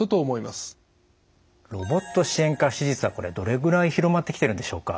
ロボット支援下手術はどれぐらい広まってきてるんでしょうか？